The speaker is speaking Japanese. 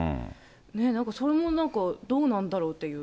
なんかそれもなんかどうなんだろうっていう。